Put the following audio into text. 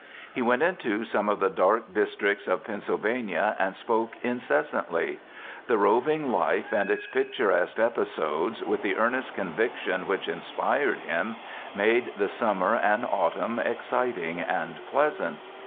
He went into some of the dark districts of Pennsylvania and spoke incessantly. The roving life and its picturesque episodes, with the earnest conviction which inspired him, made the summer and autumn exciting and pleasant.